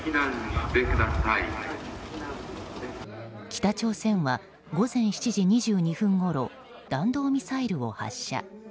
北朝鮮は午前７時２２分ごろ弾道ミサイルを発射。